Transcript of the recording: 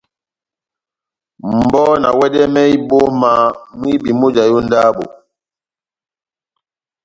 Mʼbɔ na wɛdɛmɛhɛ ibɔ́ma mwibi mujahi ó ndábo.